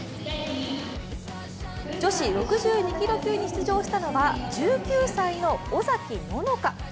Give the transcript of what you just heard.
女子６２キロ級に出場したのは１９歳の尾崎野乃香。